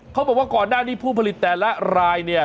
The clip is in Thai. เขาบอกว่าก่อนหน้านี้ผู้ผลิตแต่ละรายเนี่ย